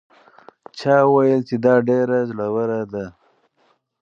چا وویل چې دا ډېره زړه وره ده.